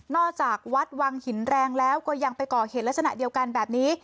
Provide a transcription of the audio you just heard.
จากวัดวังหินแรงแล้วก็ยังไปก่อเหตุลักษณะเดียวกันแบบนี้